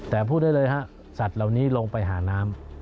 แต่พูดได้เลยฮะสัตว์เหล่านี้ลงไปหาน้ำ